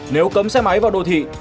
nếu cấm xe máy vào đô thị